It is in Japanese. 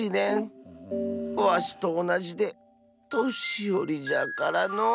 わしとおなじでとしよりじゃからのう。